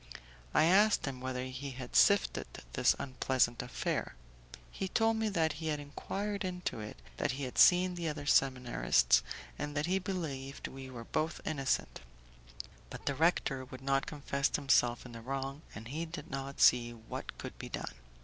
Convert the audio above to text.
I asked him whether he had sifted this unpleasant affair; he told me that he had enquired into it, that he had seen the other seminarist, and that he believed we were both innocent; but the rector would not confess himself in the wrong, and he did not see what could be done.